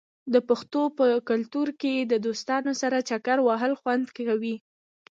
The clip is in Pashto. د پښتنو په کلتور کې د دوستانو سره چکر وهل خوند کوي.